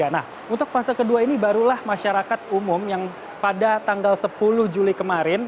nah untuk fase kedua ini barulah masyarakat umum yang pada tanggal sepuluh juli kemarin